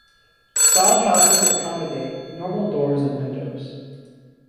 Sod houses accommodate normal doors and windows.